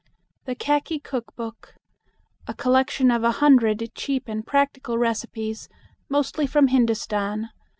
THE KHAKI KOOK BOOK A COLLECTION OF A HUNDRED CHEAP AND PRACTICAL RECIPES MOSTLY FROM HINDUSTAN.